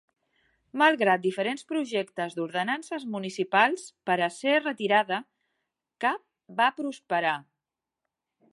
Malgrat diferents projectes d'ordenances municipals per a ser retirada, cap va prosperar.